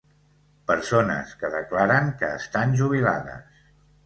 Persones que declaren que estan jubilades.